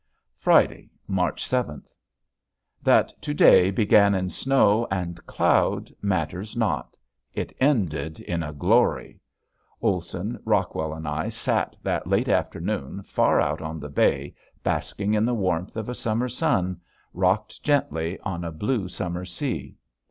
Friday, March seventh. That to day began in snow and cloud matters not, it ended in a glory. Olson, Rockwell, and I sat that late afternoon far out on the bay basking in the warmth of a summer sun, rocked gently on a blue summer sea.